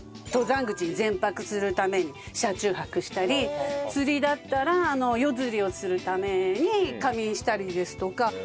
登山口に前泊するために車中泊したり釣りだったら夜釣りをするために仮眠したりですとか。